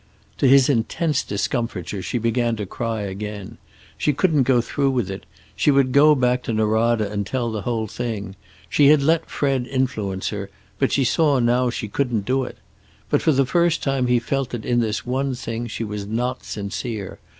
To his intense discomfiture she began to cry again. She couldn't go through with it. She would go back to Norada and tell the whole thing. She had let Fred influence her, but she saw now she couldn't do it. But for the first time he felt that in this one thing she was not sincere.